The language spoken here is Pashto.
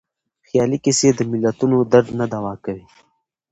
خیالي کيسې د ملتونو درد نه دوا کوي.